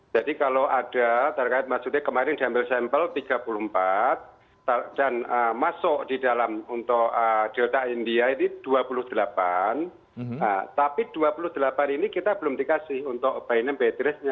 jadi kita akan mencari penyebaran covid sembilan belas di kudus